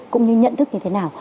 cũng như nhận thức như thế nào